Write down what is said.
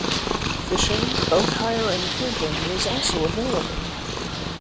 Fishing, boat hire and camping is also available.